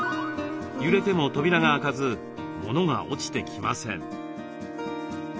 揺れても扉が開かずものが落ちてきません。